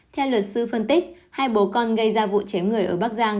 theo luật sư phân tích hai bố con gây ra vụ cháy người ở bắc giang